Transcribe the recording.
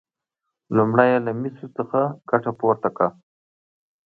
لومړی یې له مسو څخه ګټه پورته کړه.